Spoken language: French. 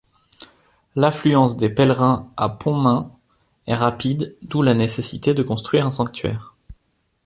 L'affluence des pèlerins à Pontmain est rapide, d'où la nécessité de construire un sanctuaire.